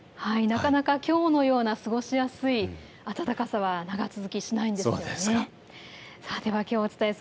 なかなか、きょうのような過ごしやすい暖かさは長続きしないんです。